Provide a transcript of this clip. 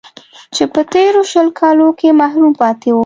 چې په تېرو شل کالو کې محروم پاتې و